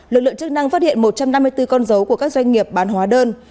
lực lượng chức năng phát hiện một trăm năm mươi bốn con dấu của các doanh nghiệp bán hóa đơn